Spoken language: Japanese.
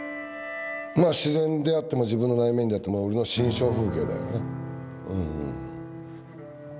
自然であっても自分の内面であっても俺の心象風景だよね。